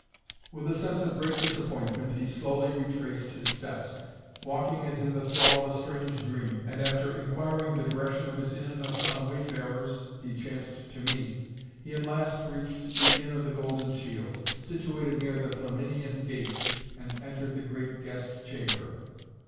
With a sense of great disappointment he slowly retraced his steps, walking as in the thrall of a strange dream, and, after inquiring the direction of his inn of some wayfarers he chanced to meet, he at last reached the Inn of the Golden Shield, situated near the Flaminian Gate, and entered the great guest chamber.